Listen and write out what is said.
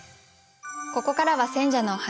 ここからは選者のお話。